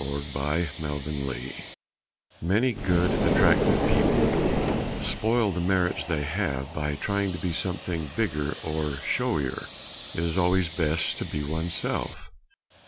BORROWED FEATHERS Many good, attractive people spoil the merits they have by trying to be something bigger or showier. It is always best to be one's self.